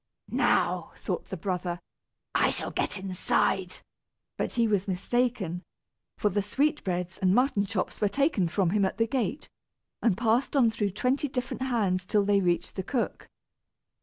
"Now," thought the brother, "I shall get inside;" but he was mistaken, for the sweetbreads and mutton chops were taken from him at the gate, and passed on through twenty different hands till they reached the cook.